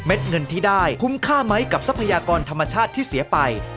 เงินที่ได้คุ้มค่าไหมกับทรัพยากรธรรมชาติที่เสียไป